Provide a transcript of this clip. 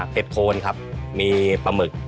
โคนครับมีปลาหมึก